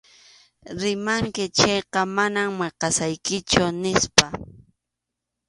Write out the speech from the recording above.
Rimanki chayqa mana maqasaykichu, nispa.